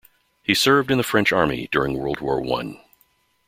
He served in the French army during World War One.